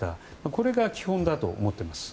これが基本だと思っています。